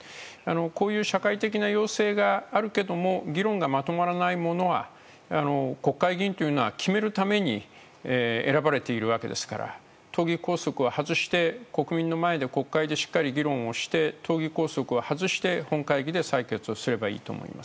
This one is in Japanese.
こういう社会的な要請があるけども議論がまとまらないものは国会議員というのは決めるために選ばれているわけですから党議拘束を外して、国民の前で国会でしっかり議論をして党議拘束を外して本会議で採決をすればいいと思います。